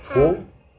bapaknya tentu believer